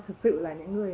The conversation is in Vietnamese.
thật sự là những người